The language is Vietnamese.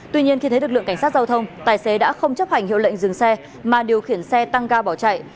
tuy nhiên khi thấy lực lượng cảnh sát giao thông tài xế đã không chấp hành hiệu lệnh dừng xe mà điều khiển xe tăng ga bỏ chạy